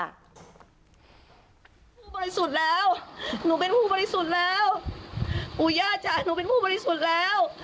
ผู้บริสุทธิ์แล้วหนูเป็นผู้บริสุทธิ์แล้วปู่ย่าจ้ะหนูเป็นผู้บริสุทธิ์แล้ว